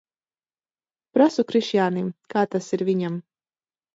Prasu Krišjānim, kā tas ir viņam.